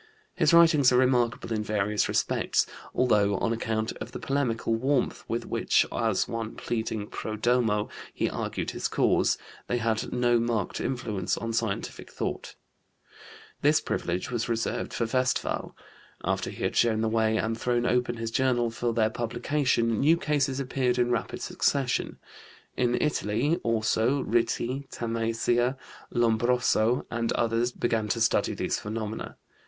His writings are remarkable in various respects, although, on account of the polemical warmth with which, as one pleading pro domo, he argued his cause, they had no marked influence on scientific thought. This privilege was reserved for Westphal. After he had shown the way and thrown open his journal for their publication, new cases appeared in rapid succession. In Italy, also, Ritti, Tamassia, Lombroso, and others began to study these phenomena.